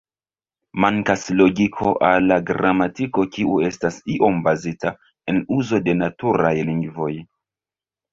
Mankas logiko al la gramatiko kiu estas iom bazita en uzo de naturaj lingvoj.